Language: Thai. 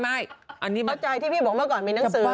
เข้าใจที่พี่บอกเมื่อก่อนมีหนังสือ